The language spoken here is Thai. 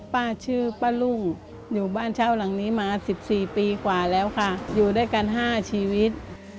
ป้าชื่อป้ารุ่งอยู่บ้านเช่าหลังนี้มา๑๔ปีกว่าแล้วค่ะอยู่ด้วยกัน๕ชีวิต